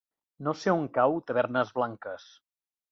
No sé on cau Tavernes Blanques.